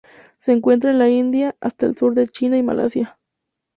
Se encuentra en la India hasta el sur de China y Malasia.